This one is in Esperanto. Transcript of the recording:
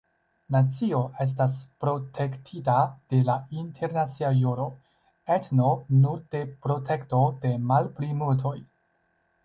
Nacio estas protektita de la internacia juro, etno nur de protekto de malplimultoj.